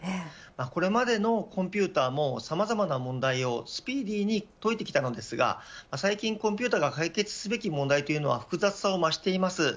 これまでのコンピューターもさまざまな問題をスピーディーに解いてきたのですが最近コンピューターが解決すべき問題は複雑さを増しています。